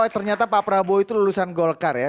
ternyata pak prabowo itu lulusan golkar ya